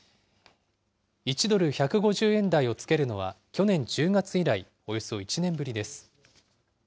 １ドル１５０円台をつけるのは、去年１０月以来、およそ１年ぶりです。